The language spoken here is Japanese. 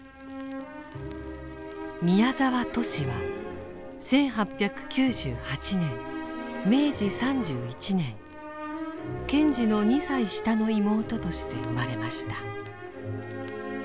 宮沢トシは１８９８年明治３１年賢治の２歳下の妹として生まれました。